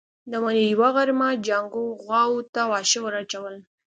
د مني يوه غرمه جانکو غواوو ته واښه ور اچول.